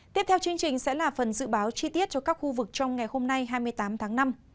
tiếp theo chương trình sẽ là phần dự báo chi tiết cho các khu vực trong ngày hôm nay hai mươi tám tháng năm